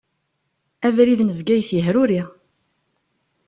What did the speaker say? Abrid n Bgayet yehruri.